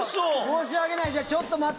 申し訳ない。